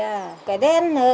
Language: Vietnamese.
ông kẻ đen nở